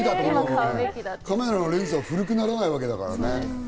カメラのレンズは古くならないわけだから。